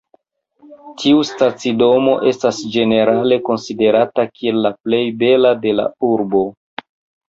Tiu stacidomo estas ĝenerale konsiderata kiel la plej bela de la urbo.